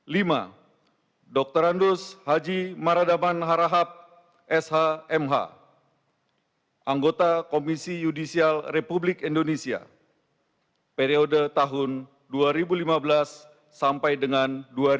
lima dr randus haji maradaban harahap shmh anggota komisi yudisial republik indonesia periode tahun dua ribu lima belas sampai dengan dua ribu dua puluh